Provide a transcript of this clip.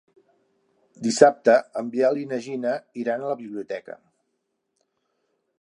Dissabte en Biel i na Gina iran a la biblioteca.